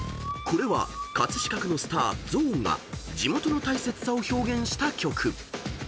［これは飾区のスターＺＯＲＮが地元の大切さを表現した曲］